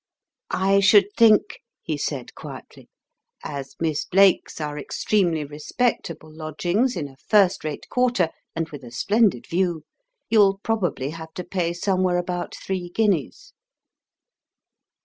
"I should think," he said quietly, "as Miss Blake's are extremely respectable lodgings, in a first rate quarter, and with a splendid view, you'll probably have to pay somewhere about three guineas."